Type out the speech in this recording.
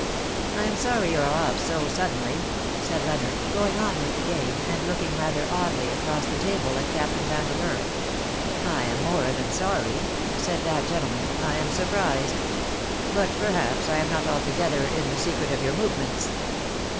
" I am sorry you are off so suddenly/' said Leonard, going on with the game, and looking rather oddly across the table at Captain Yandeleur. 270 ^^WHO KNOWS NOT CIRCE?" '^ I am more than sorry/^ said that gentleman, '^ I am surprised. But perhaps I am not altogether in the secret of your movements."